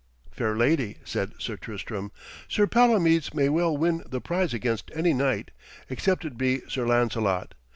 'Fair lady,' said Sir Tristram, 'Sir Palomides may well win the prize against any knight, except it be Sir Lancelot.